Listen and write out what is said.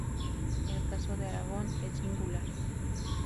El caso de Aragón es singular.